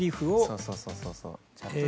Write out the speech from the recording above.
そうそうそうそう。